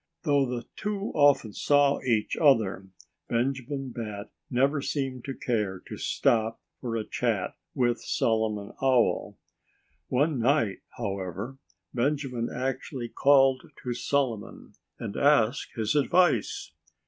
Though the two often saw each other, Benjamin Bat never seemed to care to stop for a chat with Solomon Owl. One night, however, Benjamin actually called to Solomon and asked his advice.